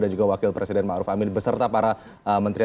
dan juga wakil presiden ma'ruf amin beserta para menteri